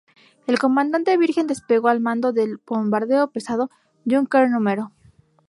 El Comandante Virgen despegó al mando del bombardero pesado "Junker" No.